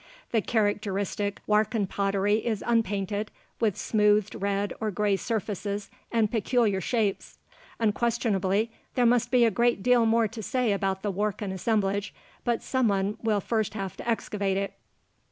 The characteristic Warkan pottery is unpainted, with smoothed red or gray surfaces and peculiar shapes. Unquestionably, there must be a great deal more to say about the Warkan assemblage, but someone will first have to excavate it!